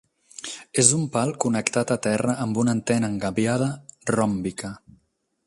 És un pal connectat a terra amb una antena engabiada ròmbica.